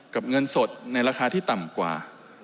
เงินสดในราคาที่ต่ำกว่า